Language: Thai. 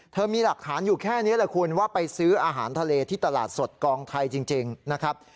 มีหลักฐานอยู่แค่นี้แหละคุณว่าไปซื้ออาหารทะเลที่ตลาดสดกองไทยจริงนะครับ